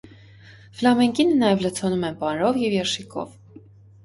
Ֆլամենկինը նաև լցոնում են պանիրով և երշիկով։